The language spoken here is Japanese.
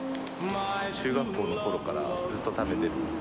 中学校のころからずっと食べてる。